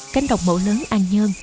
cánh đồng mẫu lớn an nhơn